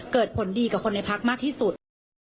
เกิดผลดีกับคนในพักมากที่สุด